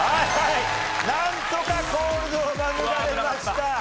なんとかコールドを免れました。